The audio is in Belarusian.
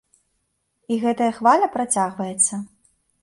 І гэтая хваля працягваецца.